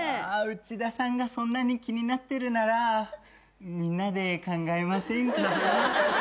内田さんがそんなに気になってるならみんなで考えませんか？